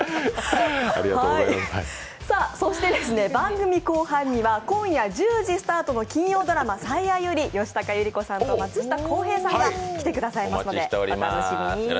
番組後半には今夜１０時スタートの金曜ドラマ「最愛」より吉高由里子さんと松下洸平さんが来てくださいますので、お楽しみに。